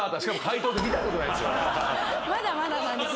まだまだなんです。